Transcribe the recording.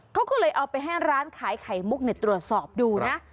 เขาก็เลยเอาไปให้ร้านขายไข่มุกตรวจสอบดูนะ